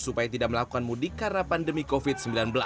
supaya tidak melakukan mudik karena pandemi covid sembilan belas